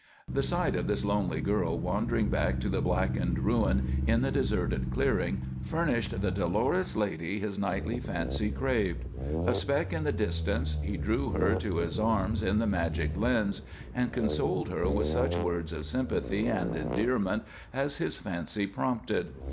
The sight of this lonely girl wandering back to the blackened ruin in the deserted clearing furnished the dolorous lady his knightly fancy craved. A speck in the distance, he drew her to his arms in the magic lens, and consoled her with such words of sympathy and endearment as his fancy prompted.